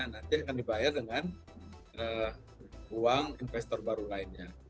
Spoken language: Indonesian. nanti akan dibayar dengan uang investor baru lainnya